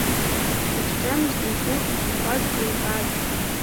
Ицәгьамызт игәы иҭақәаз еилкаазар.